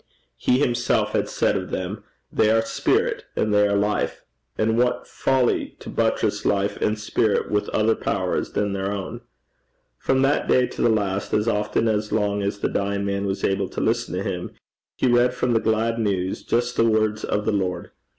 He himself had said of them, 'They are spirit and they are life;' and what folly to buttress life and spirit with other powers than their own! From that day to the last, as often and as long as the dying man was able to listen to him, he read from the glad news just the words of the Lord.